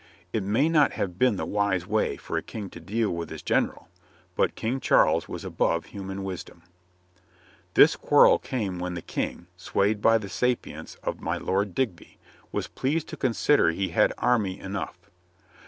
It may not have been the wise way for a king to deal with his general, but King Charles was above human wis dom. This quarrel came when the King, swayed by the sapience of my Lord Digby, was pleased to con sider he had army enough.